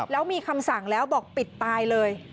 แล้วมีคำสั่งแล้วบอกปิดตายเลย